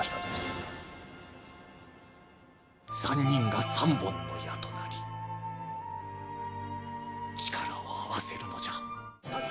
３人が３本の矢となり力を合わせるのじゃ。